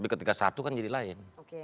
karena satu kan jadi lain